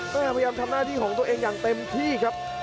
พยายามทำหน้าที่ของตัวเองอย่างเต็มที่ครับ